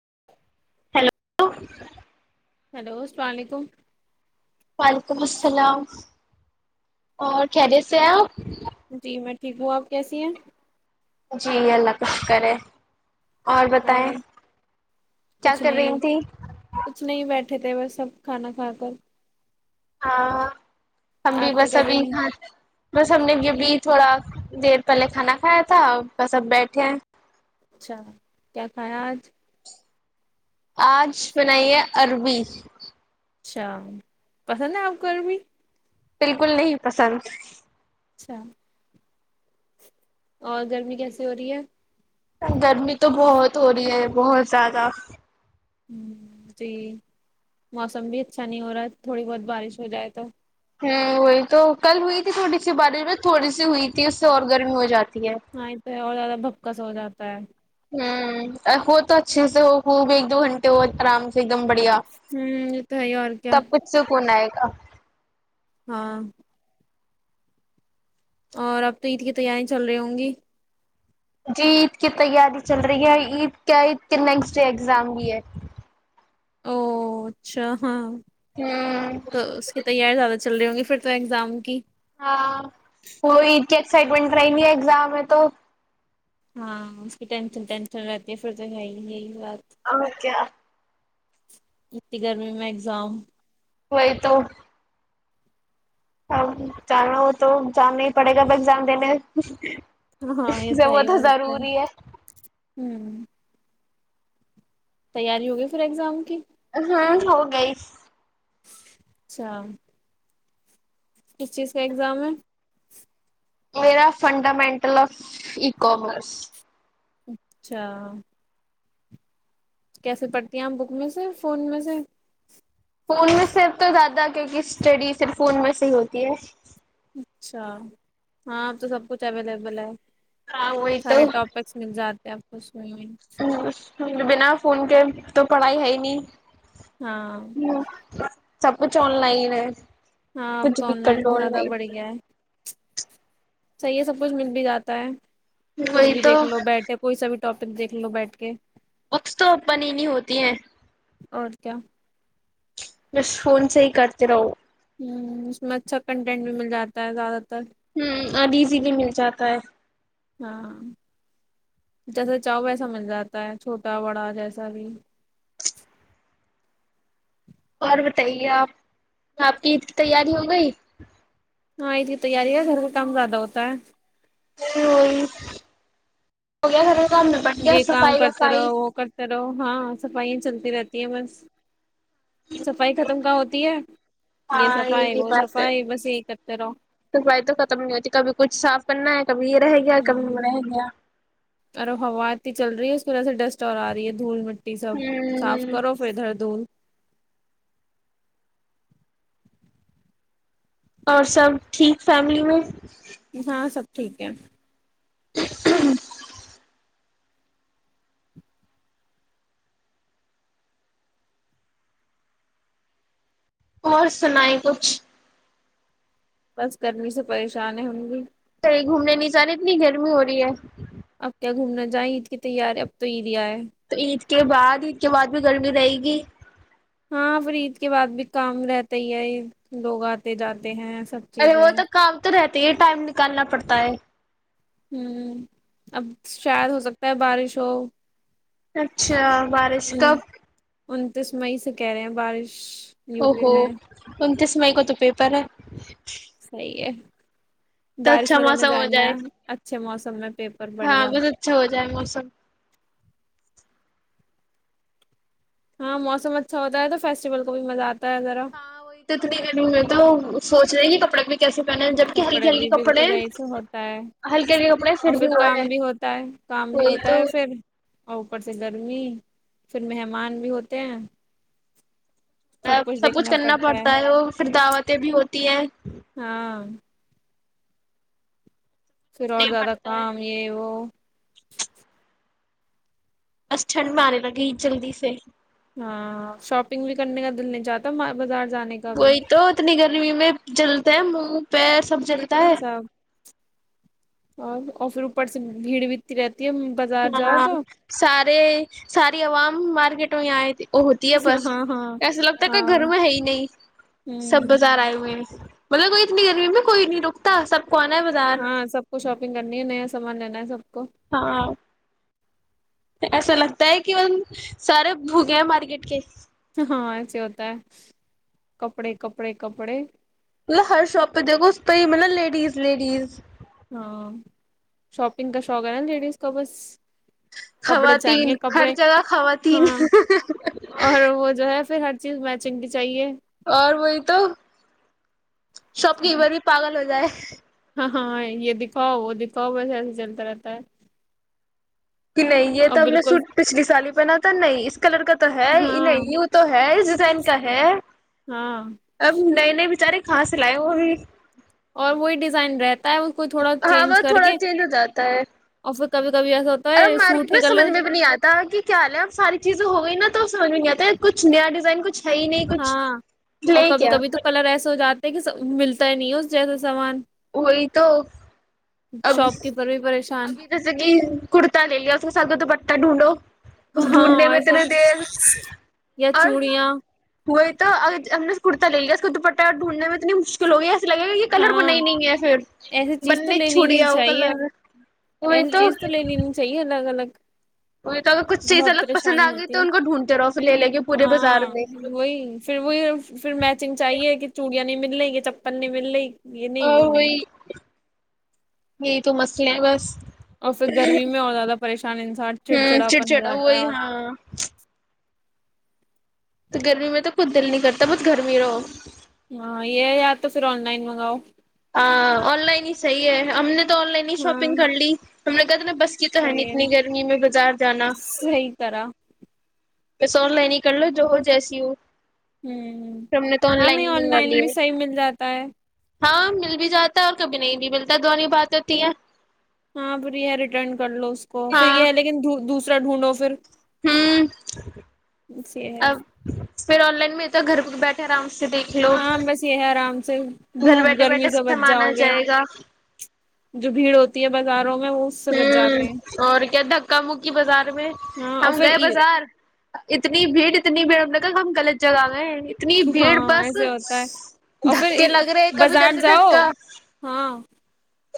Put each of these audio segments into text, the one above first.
[inaudible] ہل ہلو اللام علیکم وعلیکم السلام اور کہریے سے ہیں آپ جی میں ٹھیک ہوں آپ کیسی ہیں جی اللہ کا شکر ہے اور بتائیں کیا کر رہی تیں اٹھے تھے ب سب کھانا کھا کر ہاں ہم بھی آپ کیا بس کر ابھی رہی ہیں ک بس ہم نے یہبھی تھوڑا دیر پہلے کھانا کھایا تھا بس اب بیٹھے اچھا کیا کھایا آج آج بنائیے عربی اچھا پسند ہے آپ کو عرمی بالکل نہیں پسند اچھا اور گرمی کیسے ہو رہی ہے گرمی تو بہت ہو رہی ہے بہت زیادہ ہ جی موسم بھی اچھا نہیں ہو رہا ہے تھوڑی بہت بارش ہو جائے تو ہوں وہی تو کل ہوئی تھی تھوڑی سی بارش ب تھوڑی سی ہوئی تھی اس سے اور گرمی ہو جاتی ہے ہاں تو ہے اور زیادہ بھپکس ہو جاتا پ ہ ہو تو اچھے سے ہو ہو بھی ایک دو گھنٹے ہو آرام سے ایک دم بڑھیا ہوں یہ تو ہے ہی اور کیا تب کچھ سکون ہے [unintelligible] ہاں اور اب تو عید کی تیاری چل رہی ہوں گی جی عید کی تیاری چل رہی ہے عید کیا عید کے نیکسٹ ڈے ایگزام بھی ہے او اچھا ہاں ہوں تو اس کی تیاری زیادہ چل رہی ہوں گی پھر تو ایگزام کی ہاں وہی ات کی ایکسائٹمنٹ رہ ہے ایگزام میں تو ہاں اس کی ٹینشن ٹینشن رہتی ہے پھر تو ہے یہیات ا میں کیا انی گرمی میں ایگزام وہئی تو اب جانا ہو تو جان نہیں پڑے گا اب ایگزام دینے ہاں یہ تو وہ ہی ہو ضروری ہے ہوں تیاری ہوگی پھر ایگزام کی ہاں ہو گئی چام کس چیز کا اگزام ہے میرا فنڈامنٹل آف اکومرس اچھا کیسے پڑھتی ہیں ہمپ بک میں سے فون میں سے فون میں صرف تو زیادہ کیکہ اسٹڈی صرف فون میں سے ہی ہوتی ہے اچھا ہاں اب تو سب کچھ اویلیبل ہے ہاں وہئی تو۔ [unintelligible] ہہممم۔ بنا فون کے تو پڑھائی ہے ہی نہیں۔ ہاں۔ سب کچھ آن لائن ہے۔ ہاں اب کچھ تو بھی آن کر لائن لو زیادہ بڑھیا ہے۔ صحیح ہے سب کچھ مل بھی جاتا ہے۔ کچھ وہی بھی تو دیکھ لو بیٹھے کوئی سا بھی۔۔۔ ٹاپک دیکھ لو بیٹھ کے۔ بکس تو اوپن ہی نہیں ہوتی ہے۔ اور کیا۔ بس فون سے ہی کرتے رہو۔ ہمم۔ اس میں اچھا کنٹینٹ بھی مل جاتا ہے زیادہ تر۔ ہمم اب ایزیلی مل جاتا ہے۔ ہاں۔ جیسا چاہو ویسا مل جاتا ہے۔ چھوٹا بڑا جیسا بھی۔ اور بتائیے آپ؟ آپ کی تیاری ہو گئی؟ ہاں کی تیاری کم گھر کا کام زیادہ ہوتا ہے۔ [unintelligible] گیا یہ کام صفائی کرتا وفائی رہو وہ کرتا رہو۔ ہاں۔ صفائیاں چلتی رہتی ہیں بس۔ صفائی ختم کہاں ہوتی ہے ہاں یہ صفائی بھی وہ بات ہے۔ صفائی بس یہی کرتے رہو صفائی تو ختم نہیں ہوتی۔ کبھی کچھ صاف کرنا ہے۔ کبھی یہ رہ گیا۔ کبھی وہ ہوں رہ گیا۔ اور اب ہوا اتنی چل رہی ہے۔ اس کی وجہ سے ڈسٹ اور آ رہی ہے دھول م۔۔۔ ٹی سب صاف ہوں کرو۔ پھر ادھر دھول۔ اور سب ٹھیک فیملی میں؟ ہاں سب۔۔۔ [unintelligible] ٹھیک ہے۔ [unintelligible] اور سنائیں کچھ؟ بس گرمی سے پریشان ہے ہم بھی۔ کہیں گھومنے نہیں جا رہے اتنی گرمی ہو رہی ہے۔ اب کیا گھومنا جائیں۔ عید کی تیاری اب تو عید۔۔ [unintelligible] تو عید کے بعد عید کے بعد بھی گرمی رہے گی۔ ہاں پھر عید کے بعد بھی کام رہتا ہی ہے۔ لوگ آتے جاتے ہیں۔ سب ارے چیزیں وہ تو کام تو رہتا۔۔۔ یہ ٹائم نکالنا پڑتا ہے۔ [unintelligible] ہمم۔ اب شاید ہو سکتا ہے بارش ہو۔ اچھا بارش ان کب۔۔۔ انتیس مئی سے کہہ رہے ہیں بارش او یو پی ہو میں ان [unintelligible] کو تو پیپر ہے صحیح ہے تو بارش اچھا میں جانا موسم ہو جانا جائے ہے اچھے موسم میں پیپر ہاں بڑھیا بس اچھا ہو جائے موسم ہاں موسم اچھا ہوتا ہے تو فیسٹیول کو بھی مزہ آتا ہے ذرا ہاں وہی تو اتنی کہ نہیں ہو تو سوچ رہے پا کیے کپڑے بھی بالکل یہی سے ہوتا ہے ہلکے ہلکے کپڑے اور بھی پھر ہوئے کام ہیں بھی ہوتا ہے کام بھی وہی ہوتا تو ہے پھر اور اوپر سے گرمی پھر مہمان بھی ہوتے ہیں ا سب کچھ کرنا پڑتا ہے وہ پھر دعوتیں بھی ہوتی ہیں ہاں [unintelligible] پھر اور نہیں زیادہ پڑتا ہے کام یہ وہ [inaudible] بس ٹھنڈ میں آنے لگے جلدی سے ہاں شاپنگ بھی کرنے کا دل نہیں چاہتا بازار جانے کا بھی وہی تو اتنی گرمی میں جلتے ہیں اوپ سب چلتا ہے سب اور اور پھر اوپر سے بھیڑ بھیتی رہتی ہے بازار جاؤ ہاں تو سارے ساری عوام مارکیٹ [unintelligible] وہ ہوتی ہے بس ہاں ہاں ایسا لگتا ہے ہاں کہ گھر میں ہے ہی نہیں سب ہوں بازار آئے ہوئے ہیں مطلب کو اتنی کرمی ا میں کوئی نہیں روکتا سب کو آنا ہے بازار ہاں سب کو شاپنگ کرنی ہے نیا سامان لینا ہے سب کو ہاں ایسا لگتا ہے کہ وہ سارے بھوکے ہیں مارکیٹ کے ہاں ایسے ہوتا ہے کپڑے کپڑے کپڑے مطلب ہر شاپ پہ دیکھو اس پہ ہی مطلب لیڈیز لیڈیز ہاں شاپنگ کا شوق ہے نا لیڈیز کا بس کپڑے خواتین چاہیے ہر کپڑے جگہ خواتین ہاں اور وہ جو ہے پھر ہر چیز میچنگ بھی چاہیے اور وہی تو شاپ کیپر بھی پاگل ہو جائے ہ ہاں ہاں یہ دکھاؤ وہ دکھاؤ ویسے ایسا چلتا رہتا ہے کہ نہیں یہ اور تو اب نے بالکل سوٹ پچھلی سال ہی پہنا تھا نہیں اس کلر کا تو ہے ہاں نہیں وہ تو ہے اس ڈیزائن کا ہے ہاں اب نئے نئے بیچارے کا س لائے وہ بھی [unintelligible] اور وہی ڈیزائن رہتا ہے اس کو تھوڑا ہاں چینج بس کر تھوڑا کے چینج ہو جاتا ہے اور پھر کبھی کبھی ایسا ہوتا ا اب ہے سوٹ مارکیٹ میں کے سمجھ کلر میں بھی نہیں آتا کہ کیا لیں اب ساری چیزیں ہو گئی نا تو سمج میں نہیں آتا کچھ نیا ڈیزائن کچھ ہے ہی نہیں کچھ ہاں اور لے کبھی کیا کبھی تو کلر ایسے ہو جاتا لیک سب ملتا ہی نہیں ہے اس جیسا سامان وہی تو اب شاپ کیپر بھی پریشان ابھی جس کہ کڑتا آ لی اس سا تو پٹتاہ ڈھونڈ ہو [unintelligible] ہاں ایسے یا چوڑیاں ہوئے تو اگر ہم نے ک کررتا لے لیا اس کو دوپٹہ اور ڈھونڈ میں اتنی مشکل ہوگی لگے گا کہ کلر بنا ہی ہاں نہیں ہے پھر ایسی چیز تو بننے لینی چوڑی نہیں آؤ گل چاہیے [unintelligible] ایسی چیز تو لینی چاہیے نا الگ الگ وہی تو اگر کچھ چیز بہت الگ پسند پریشانی آ گئی ہوتی تو ہے ان کو ڈھونڈتے رہو پھر لے لے کے پورے ہاں بازار میں وہی پھر وہی پھر میچنگ چاہیے کہ چوڑیاں نہیں ملے گی چپل نہیں مل رہ گی یہ نہیں وہ اور نہیں وہی یہی تو مسئلے ہیں بس اور پھر گرمی میں اور زیادہ پریشان انسان ہوں چڑچڑا پرن ہو جاتا ہے وہی اور ہاں تو گرمی میں تو کچھ دل نہیں کرتا بس گرمی ہی رہو ہاں یہ یار تو پھر آن لائن منگاؤ ہاں آن لائن ہی صیح ہے ہم نے تو آن لائن ہی ہاں شاپنگ کر لی ہم نے کہ تھا نا بس کی تو ہے ن اتنی گرمی میں بازار جانا صحیح کرا پیسا لائین کر لو جو ہو جیسی ہو ہ پھر ہم نے تو ہاں لائن نہیں ہی آن منگا لائن لیے بھی صحیح مل جاتا ہے ہاں مل بھی جاتا ہے اور کبھی نہیں بھی ملتا دوننی بات ہوتی ہیں ہاں ب ہے ریٹرن کر لو اس کو پھر ہاں یہ ہے لیکن دوسرا ڈھونڈو فھر ہوں [unintelligible] اھ ہے [unintelligible] اب پھر آن لائن میں تو گھرہ بیٹھے آرام سے دیکھ لو ہاں بس یہ ہے آرام سے گھر دھوپ بیٹھے گرمی بیٹھے سے بچ سامان جاؤ آ گے جائے گا جو بھیڑ ہوتی بازاروں میں وہ اس سے بچ ہ جاتے ہیں اور کیا دھکا مکی بازار میں ہاں اور ہم پھر گئے یہ- بازار اتنی بھیڑ اتنی بیڑم لگا ہم لط جگہ گئے ہیں اتنی بھیڑ ہاں بس ایسے ہوتا ہے اور دھکے پھر لگ رہے کبھی ادھر بازار سے جاؤ دھکا ہاں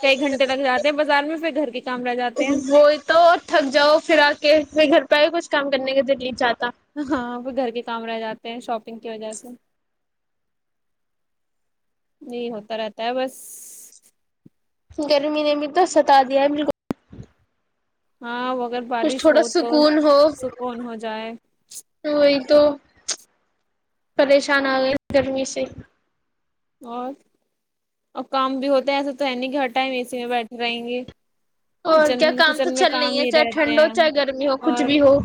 کئی گھنٹے تک جاتے ہیں بازار میں پھر گھر کے کام رہ جاتے ہیں وہی تو تھک جاؤ پھر آ کے پھر گھر پہ آئی کچھ کام کرنے کےے چاہ ہاں آپ گھر کے رہ جاتے ہیں شاپنگ کی وجہ سے نہیں ہوتا رہتا ہے بس گرمی نے بھی تو ستا دیا ہے بک ہاں وہ اگر بارش ہو تو ہو سکون ہو جائے وہی تو پریشان آ گئے گرمی سے اور اور کام بھی ہوتا ہے ایسا تو ہے نہیں کہ ہر ٹائم اے سی میں بیٹھ رہیں گے اور کیا کچن کام تو کچن میں چل رہ کام ہے ہی چاہے رہتے ٹھنڈ ہو ہیں چاہے گرمی ہو کچھ اور بھی ہو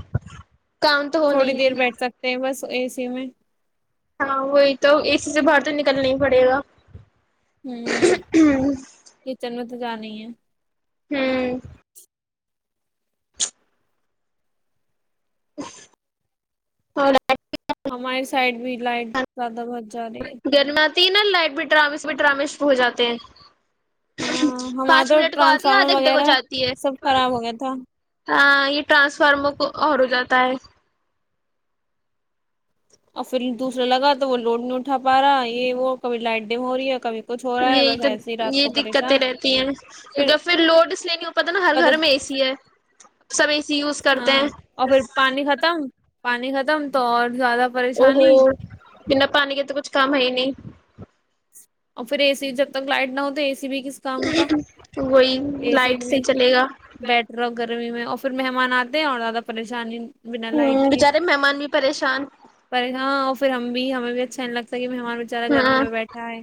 کام تو ہو تھوڑی نہیں دیر ہے بیٹھ سکتے ہیں بس اے سی میں ہاں وہی تو اسی سے باہر تو نکلنا ہی پڑے گا ہوں یہ چن م س جانی ہے ہوں [unintelligible] ہاں ہماری سائڈ بھی لائٹ زیادہ بت جا رہی ہے تینل لائٹ بھی رامس بھی ٹرامش ہو جاتے ہیں ہاں ہمارا پانچ تو منٹ کو آتی ہے ٹرانسفارمر آدھے گھنٹے کو وغیرہ جاتی ہے سب خراب ہو گیا تھا ہاں ٹرانسفارمر کو اور ہو جاتا ہے اور پھر دوسرا لگا تو وہ لوڈ نہیں اٹھا پا رہا یہ وہ کبھی لائٹ ڈیم ہو رہی ہے کبھی کچھ ہو رہا ہے یہی بس تو ایسے ہی رات یہی کو دقتیں پریشان رہتی ہیں کیونکہ پھر لوڈ اس لیے نہیں ہو پاتتا نا ہر پتہ گھر میں اے سی ہے سبھی ہاں اور پھر پانی ختم پانی ختم تو اور زیادہ او پریشانی ہو بنا پانی کے تو کچھ کام ہے ہی نہیں اور پھر اے سی جب تک لائٹ نہ ہو تو اے سی بھی کس کام کا وہی اے سی لائٹ سے بھی چلے گا بیٹھ رہو گرمی میں اور پھر مہمان آتے ہیں اور زیادہ پریشانی بنا لائٹ ہوں کے بچارے مہمان بھی پریشان پے گا اور پھر ہم بھی ہمیں بھی اچھا فین لگتا کہ بےچارا گرمی ہاں میں ب بیٹھا ہے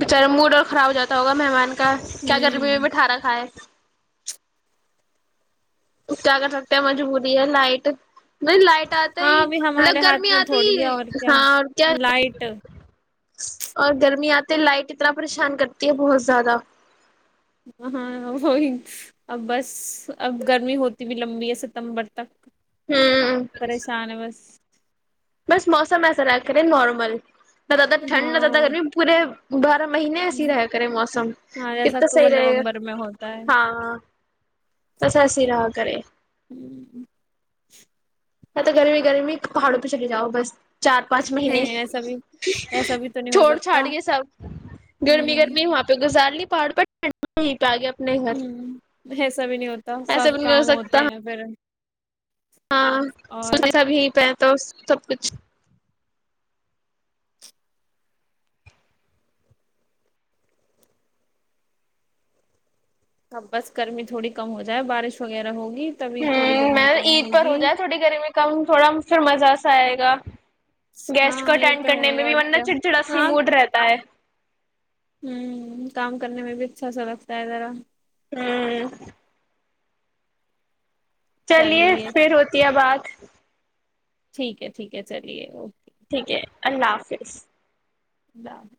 بچارے موڈ اور خراب ہواتا ہوگا مہمان کا کیا کیا گرمی میں ہوں مٹھارا کھائے کیا کر سکتے ہیں مجبوری ہے لائٹ نہیں لائٹ آتا ہاں ہی ابھی ہمارے مطلب گرمی ہاتھ میں آتی تھوڑی ہے ہی اور کیا ہاں کیا لائٹ اور گرمی آتی ت لائٹ ا طرح پریشان کرتی ہے بہت زیادہ ہاں وہی اب بس اب گرمی ہوتی بھی لمبی یا ستمبر تک ہوں پریشان ہے بس بس موسم ایسا رکھ رہے نارمل نہ زیادہ ٹنڈ نہ زیاد ہاں گرمی پورے اب مہینے ایسی ہی رہا کرے موسم ہاں پھر جیسا تو صحیح اکتوبر رہے نومبر میں ہوتا ہے گا ہاں بس ایس رہا کرے آتا گرمی گرمی پہاڑوں پی چلی جاؤ بس چار پانچ مہینے ہ ایسا بھی ایسا بھی تو نہیں ہو چھوڑ چھاڑ سکتا کے سب گرمی ہ گرمی وہاں پہ گزار لی پہاڑ پر ٹنڈا نہیں پیا گیا اپنے گھر ہ ایسا بھی نہیں ہوتا سب ایسا بھی نہیں ہو کام ہوتے سکتا ہیں پھر ہاں اور سونچا سب ہی پہ تو سب کچھ اب بس گرمی تھوڑی کم ہو جائے بارش وغیرہ ہوگی تبھی تھوڑی ہمم گرمی میں کم عید پر ہو ہوگی جائے تھوڑی گرمی کم تھوڑا پھر مزہ آئے گا گیسٹ کو ہاں یہ اٹینڈ تو کرنے ہے میں بھی اور ورنہ کیا چڑچڑا سی موڈ رہتا ہے ہوں کام کرنے میں بھی اچھا سا لگتا ہے ذرا ہمم چلیے پھر ہوتی ہے بات ٹھیک ہے ٹھیک ہے چلیے اوکے ٹھیک ہے اللہ حافظ اللہ حافظ